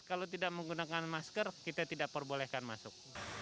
kalau tidak menggunakan masker kita tidak perbolehkan masuk